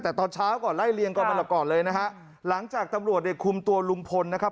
แต่ตอนเช้าก่อนไล่เลียงก่อนมาละก่อนเลยนะฮะหลังจากตำรวจเนี่ยคุมตัวลุงพลนะครับ